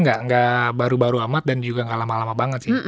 nggak baru baru amat dan juga gak lama lama banget sih